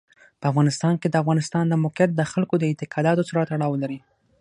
په افغانستان کې د افغانستان د موقعیت د خلکو د اعتقاداتو سره تړاو لري.